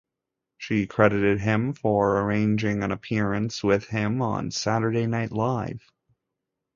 She credited him for arranging an appearance with him on Saturday Night Live.